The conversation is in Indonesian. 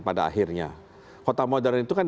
pada akhirnya kota modern itu kan